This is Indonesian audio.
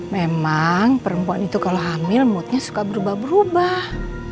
memang perempuan itu kalau hamil moodnya suka berubah berubah